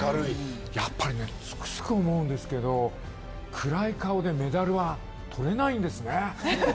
やっぱりつくづく思うんですけど暗い顔でメダルは取れないんですね。